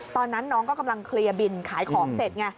ตอนนั้นน้องก็กำลังเคลียร์บินขายของเสร็จไง